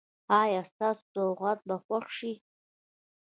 ایا ستاسو سوغات به خوښ شي؟